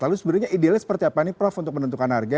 lalu sebenarnya idealnya seperti apa nih prof untuk menentukan harga